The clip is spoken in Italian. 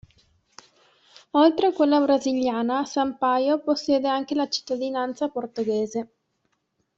Oltre a quella brasiliana, Sampaio possiede anche la cittadinanza portoghese.